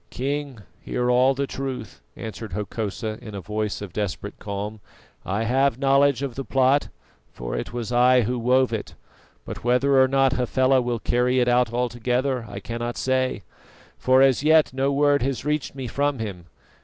"King, hear all the truth," answered Hokosa in a voice of desperate calm. "I have knowledge of the plot, for it was I who wove it; but whether or not Hafela will carry it out altogether I cannot say, for as yet no word has reached me from him.